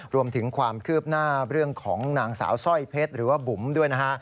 รวมถึงความคืบหน้าเรื่องของนางสาวสร้อยเพชรหรือว่าบุ๋มด้วยนะฮะ